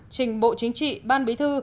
trình bộ chính trị ban bí thư